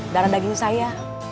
darah daging saya